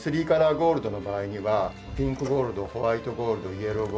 ゴールドの場合にはピンクゴールドホワイトゴールドイエローゴールド。